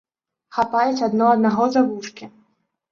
Хапаюць адно аднаго за вушкі.